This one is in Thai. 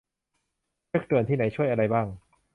เช็กด่วนที่ไหนช่วยอะไรบ้าง